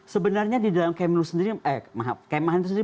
sebenarnya di dalam kemhan itu sendiri